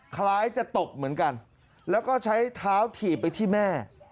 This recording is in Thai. คล้ายจะตบเหมือนกันแล้วก็ใช้เท้าถีบไปที่แม่